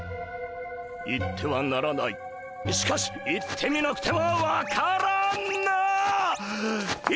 行ってはならないしかし行ってみなくては分からない！